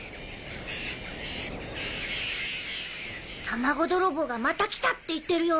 卵泥棒がまた来たって言ってるよ。